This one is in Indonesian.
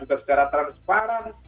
juga secara transparan